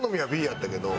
Ｂやったけど。